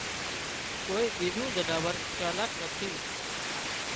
ڪوئي ٻيزُون زناور چالاڪ نٿي